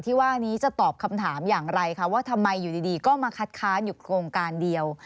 ที่ว่านี้จะตอบคำถามอย่างไรคะว่าทำไมอยู่ดีก็มาคัดค้านอยู่โครงการเดียว